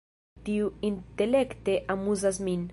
Tio intelekte amuzas min!